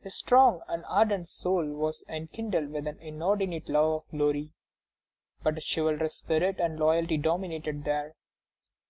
His strong and ardent soul was enkindled with an inordinate love of glory; but a chivalrous spirit and loyalty dominated there.